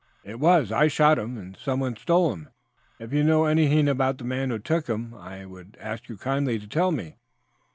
"It was. I shot him and someone stole him. If you know anything about the man who took him, I would ask you kindly to tell me.